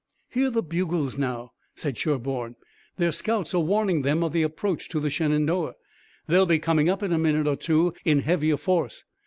"Hear the bugles now!" said Sherburne. "Their scouts are warning them of the approach to the Shenandoah. They'll be coming up in a minute or two in heavier force.